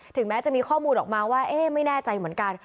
แม้จะมีข้อมูลออกมาว่าเอ๊ะไม่แน่ใจเหมือนกัน